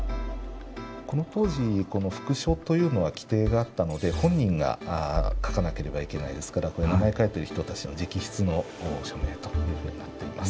この当時副署というのは規定があったので本人が書かなければいけないですからこれ名前書いてる人たちの直筆の署名というふうになっています。